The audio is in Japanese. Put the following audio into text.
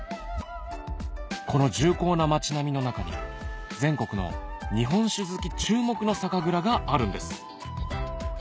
この重厚な町並みの中に全国の日本酒好き注目の酒蔵があるんです